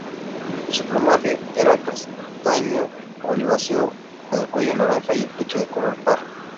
Su plumaje era castaño-oliváceo, con el cuello naranja y el pecho de color paja.